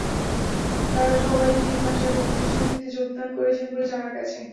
তাঁরা সবাই তিন মাস আগে প্রতিষ্ঠানটিতে যোগদান করেছেন বলে জানা গেছে।